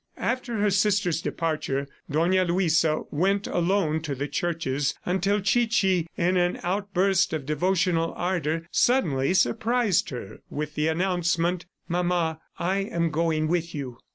After her sister's departure, Dona Luisa went alone to the churches until Chichi in an outburst of devotional ardor, suddenly surprised her with the announcement: "Mama, I am going with you!"